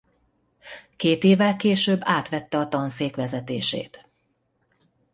Két évvel később átvette a tanszék vezetését.